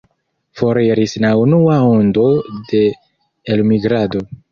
Foriris la unua ondo de elmigrado.